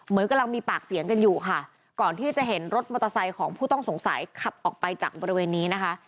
เหมือนกำลังมีปากเสียงกันอยู่ค่ะก่อนที่จะเห็นรถมอเตอร์ไซค์ของผู้ต้องสงสัยขับออกไปจากบริเวณนี้นะคะ